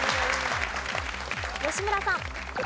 吉村さん。